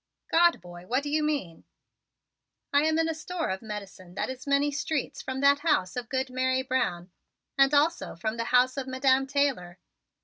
"God, boy, what do you mean?" "I am in a store of medicine that is many streets from that house of good Mary Brown, and also from the house of Madam Taylor.